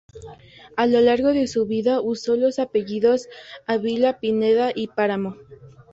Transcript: A lo largo de su vida usó los apellidos Ávila, Pineda y Páramo.